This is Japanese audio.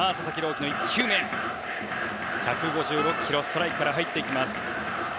希の１球目１５６キロ、ストライクから入っていきます。